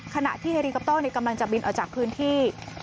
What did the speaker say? ขณะที่เฮริคอปเตอร์กำลังจะบินออกจากพื้นที่